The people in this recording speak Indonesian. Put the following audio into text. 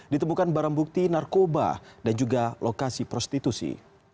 ditemukan barang bukti narkoba dan juga lokasi prostitusi